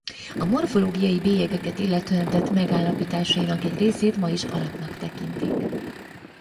A morfológiai bélyegeket illetően tett megállapításainak egy részét ma is alapnak tekintik.